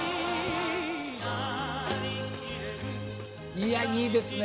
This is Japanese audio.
いやいいですね！